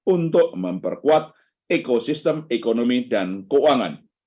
untuk memperkuat ekosistem ekonomi dan keuangan